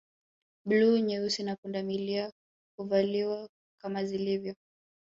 Bluu nyeusi na pundamilia huvaliwa kama zilivyo